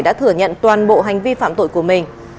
đã thừa nhận toàn bộ hành vi phạm tội của mình